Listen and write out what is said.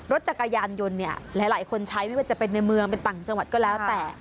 รถจักรยานยนต์เนี่ยหลายคนใช้ไม่ว่าจะเป็นในเมืองเป็นต่างจังหวัดก็แล้วแต่